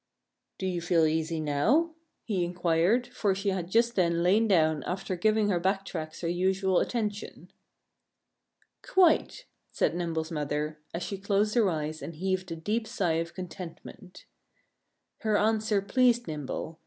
"Do you feel easy now?" he inquired, for she had just then lain down after giving her back tracks her usual attention. "Quite!" said Nimble's mother, as she closed her eyes and heaved a deep sigh of contentment. Her answer pleased Nimble.